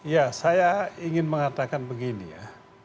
ya saya ingin mengatakan begini ya